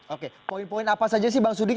oke poin poin apa saja sih bang suding